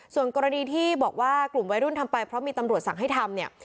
ส่วนกรณีที่บอกว่ากลุ่มวัยรุ่นทำไปเพราะมีตำรวจสั่งให้ทำเนี่ย